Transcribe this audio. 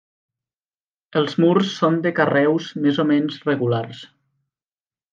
Els murs són de carreus més o menys regulars.